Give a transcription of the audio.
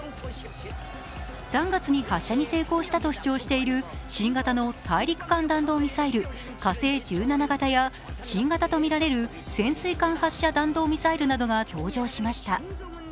３月に発射に成功したと主張している新型の大陸間弾道ミサイル火星１７型や新型とみられる潜水艦発射弾道ミサイルなどが登場しました。